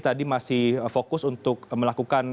tadi masih fokus untuk melakukan